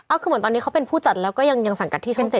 คือเหมือนตอนนี้เขาเป็นผู้จัดแล้วก็ยังสังกัดที่ช่อง๗